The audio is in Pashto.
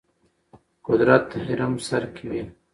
قدرت هرم سر کې وي.